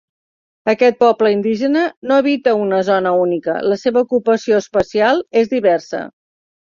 Aquest poble indígena no habita una zona única, la seva ocupació espacial és diversa.